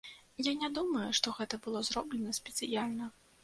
Я не думаю, што гэта было зроблена спецыяльна.